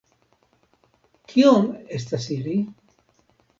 Kiom estas ili?